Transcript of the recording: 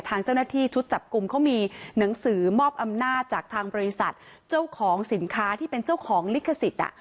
ทางเจ้าหน้าที่ชุดจับกลุ่มเขามีหนังสือมอบอำนาจจากทางบริษัทเจ้าของสินค้าที่เป็นเจ้าของลิขสิทธิ์